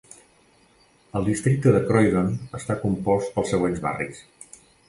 El districte de Croydon està compost pels següents barris.